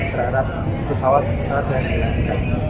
terhadap pesawat pesawat yang dilakukan